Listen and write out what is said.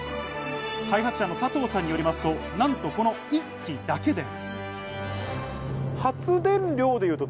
開発者の佐藤さんによりますと、なんとこの１基だけで。